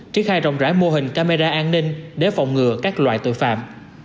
triển khai rộng rãi mô hình camera an ninh để phòng ngừa các loại tội phạm